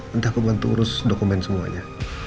entah aku bantu urus dokumen semuanya